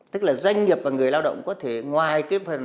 tức là doanh nghiệp và người lao động có thể ngoài cái phần